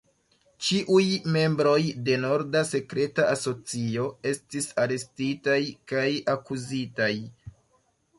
Ĉiuj membroj de "Norda Sekreta Asocio" estis arestitaj kaj akuzitaj.